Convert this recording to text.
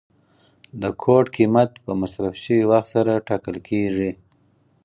د کوټ قیمت په مصرف شوي وخت سره ټاکل کیږي.